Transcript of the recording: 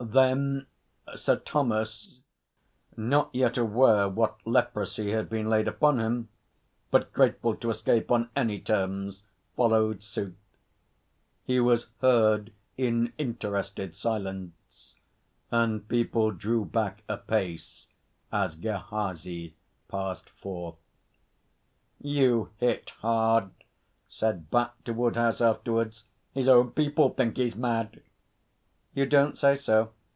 Then, Sir Thomas not yet aware what leprosy had been laid upon him, but grateful to escape on any terms followed suit. He was heard in interested silence, and people drew back a pace as Gehazi passed forth. 'You hit hard,' said Bat to Woodhouse afterwards. 'His own people think he's mad.' 'You don't say so?